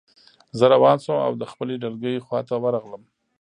زه روان شوم او د خپلې ډلګۍ خواته ورغلم